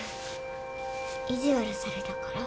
意地悪されたから？